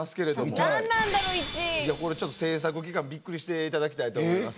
いやこれちょっと制作期間びっくりしていただきたいと思います。